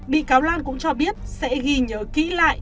bị cáo lan cũng cho biết sẽ ghi nhớ kỹ lại